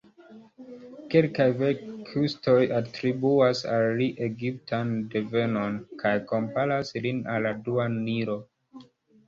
Kelkaj verkistoj atribuas al li egiptan devenon, kaj komparas lin al dua Nilo.